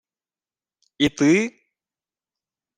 — І ти?